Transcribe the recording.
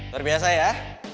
luar biasa ya